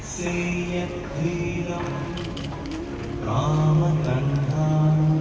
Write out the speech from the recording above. สวัสดีครับสวัสดีครับ